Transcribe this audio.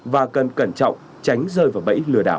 và cần cẩn trọng tránh rơi vào bẫy lừa đảo